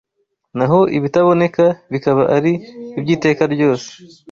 naho ibitaboneka bikaba ari iby’iteka ryose”